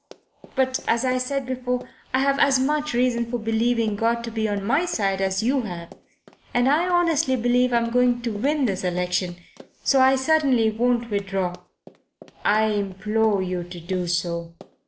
But, as I said before, I've as much reason for believing God to be on my side as you have. And I honestly believe I'm going to win this election. So I certainly won't withdraw." "I implore you to do so.